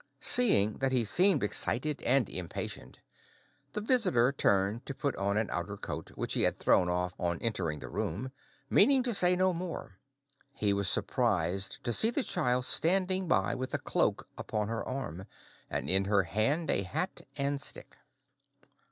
Seeing that he seemed excited and impatient, the visitor turned to put on an outer coat which he had thrown off on entering the room, meaning to say no more. He was surprised to see the child standing by with a cloak upon her arm, and in her hand a hat and stick.